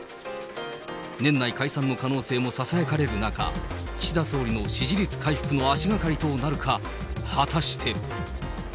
年内解散の可能性もささやかれる中、岸田総理の支持率回復の足がかりとなるか、果たして。